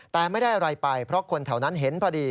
แต่ไม่ได้อะไรไปเพราะคนแถวนั้นเห็นพอดี